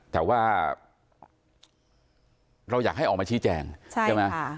แต่ว่าเรายากให้ออกมาชี้แจ่ง